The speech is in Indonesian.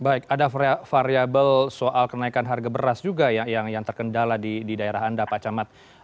baik ada variable soal kenaikan harga beras juga yang terkendala di daerah anda pak camat